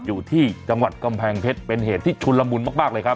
อยู่ที่จังหวัดกำแพงเพชรเป็นเหตุที่ชุนละมุนมากเลยครับ